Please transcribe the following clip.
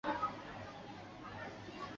关于皇后镇因何得名有很多不同的说法。